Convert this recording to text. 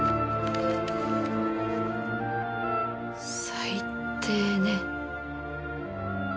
最低ね。